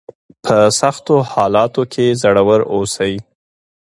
په سختو حالاتو کې زړور اوسئ.